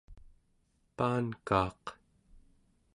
paankaaq